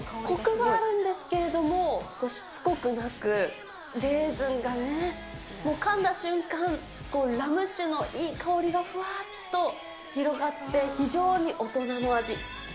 こくがあるんですけれども、しつこくなく、レーズンがね、もうかんだ瞬間、ラム酒のいい香りがふわーっと広がって、非常に大人の味。